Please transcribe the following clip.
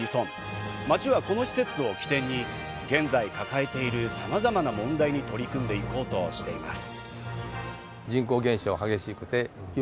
町は、この施設を基点に、現在抱えている様々な問題に取り組んで行こうとしています。